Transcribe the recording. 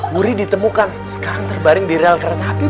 wuri ditemukan sekarang terbaring di real kereta api